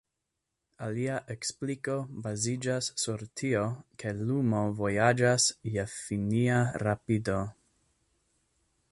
Alia ekspliko baziĝas sur tio, ke lumo vojaĝas je finia rapido.